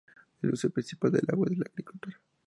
El uso principal del agua es la agricultura.